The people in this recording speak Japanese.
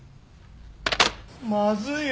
まずいよ。